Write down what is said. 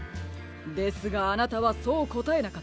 ですがあなたはそうこたえなかった。